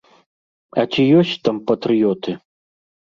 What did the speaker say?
А ці ёсць там патрыёты?